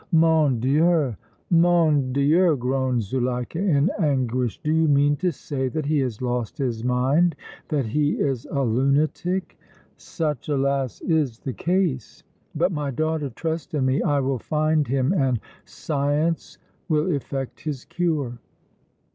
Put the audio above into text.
"Mon Dieu! mon Dieu!" groaned Zuleika, in anguish, "do you mean to say that he has lost his mind, that he is a lunatic?" "Such, alas! is the case! But, my daughter, trust in me! I will find him and science will effect his cure!"